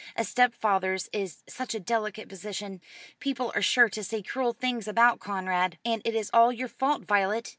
A stepfather's is such a delicate position. People are sure to say cruel things about Conrad. And it is all your fault, Violet.